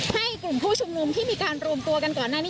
ให้กลุ่มผู้ชุมนุมที่มีการรวมตัวกันก่อนหน้านี้